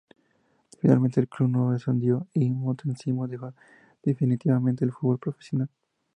Finalmente el club no ascendió y Montecinos dejó definitivamente el fútbol profesional.